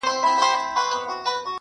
بازاري ویل راځه چي ځو ترکوره،